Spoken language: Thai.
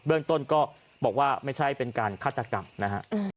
เรื่องต้นก็บอกว่าไม่ใช่เป็นการฆาตกรรมนะฮะ